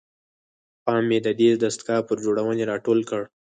پام مې ددې دستګاه پر جوړونې راټول کړ.